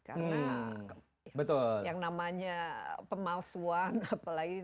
karena yang namanya pemalsuan apalagi